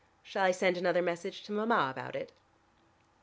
Shall I send another message to Mama about it?"